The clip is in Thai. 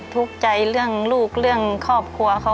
ทุกข์ใจเรื่องลูกเรื่องครอบครัวเขา